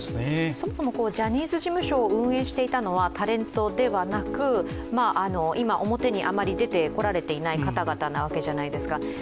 そもそもジャニーズ事務所を運営していたのはタレントではなく、今、表にあまり出てこられていない方々なわけじゃないですか。